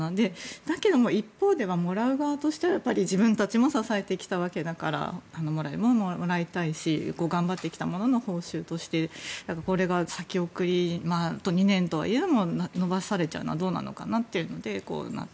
だけど一方ではもらう側としては自分たちも支えてきたわけだからもらえるものはもらいたいし頑張ってきたものの報酬としてこれが先送り、２年といえども延ばされるのはどうかなというので。